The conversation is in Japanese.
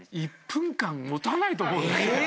１分間持たないと思うんだけど。